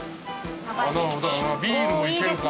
ビールもいけるか。